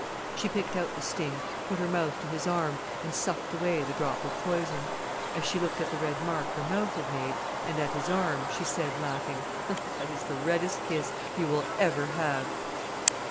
She picked out the sting, put her mouth to his arm, and sucked away the drop of poison. As she looked at the red mark her mouth had made, and at his arm, she said, laughing: "That is the reddest kiss you will ever have."